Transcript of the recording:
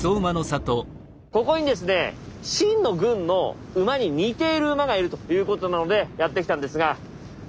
ここにですね秦の軍の馬に似ている馬がいるということなのでやって来たんですが。